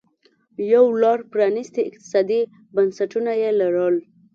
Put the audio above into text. یو لړ پرانیستي اقتصادي بنسټونه یې لرل